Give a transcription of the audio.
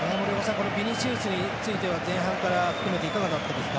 このビニシウスについては前半から含めていかがだったですか？